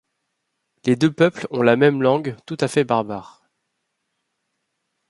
Les deux peuples ont la même langue, tout à fait barbare.